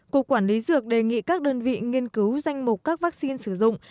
cục quản lý dược đề nghị các đơn vị nghiên cứu danh mục các vaccine sử dụng